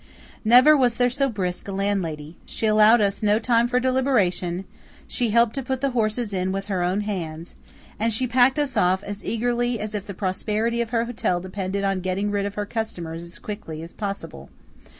Never was there so brisk a landlady. She allowed us no time for deliberation; she helped to put the horses in with her own hands; and she packed us off as eagerly as if the prosperity of her hotel depended on getting rid of her customers as quickly as possible.